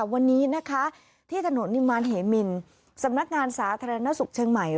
วันนี้นะคะที่ถนนนิมารเหมินสำนักงานสาธารณสุขเชียงใหม่